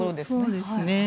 そうですね。